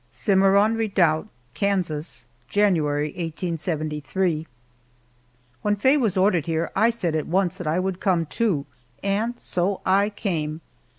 CIMARRON REDOUBT, KANSAS, January, 1873. WHEN Faye was ordered here I said at once that I would come, too, and so I came!